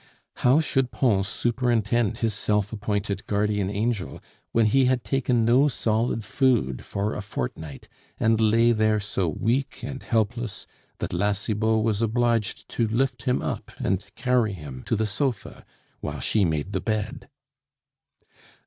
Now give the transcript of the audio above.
How should Pons superintend his self appointed guardian angel, when he had taken no solid food for a fortnight, and lay there so weak and helpless that La Cibot was obliged to lift him up and carry him to the sofa while she made the bed?